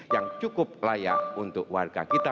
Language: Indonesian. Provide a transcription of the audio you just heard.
yang cukup layak untuk warga kita